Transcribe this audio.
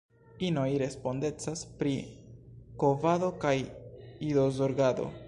Inoj respondecas pri kovado kaj idozorgado.